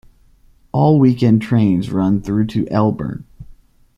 All weekend trains run through to Elburn.